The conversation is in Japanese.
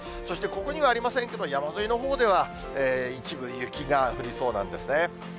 そしてここにはありませんけれども、山沿いのほうでは、一部、雪が降りそうなんですね。